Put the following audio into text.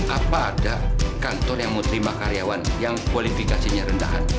apa ada kantor yang menerima karyawan yang kualifikasinya rendahan